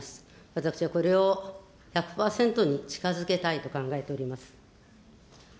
私はこれを１００％に近づけたいと考えております。